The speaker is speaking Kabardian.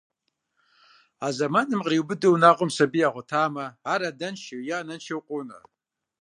А зэманым къриубыдэу унагъуэм сабий ягъуэтамэ, ар адэншэу е анэншэу къонэ.